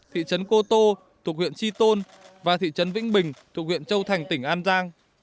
thị trấn cô tô thuộc huyện chi tôn và thị trấn vĩnh bình thuộc huyện châu thành tỉnh an giang